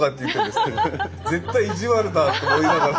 絶対意地悪だと思いながら。